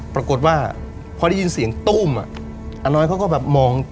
ปรากฏว่าพอได้ยินเสียงตู้มอ่ะอาน้อยเขาก็แบบมอง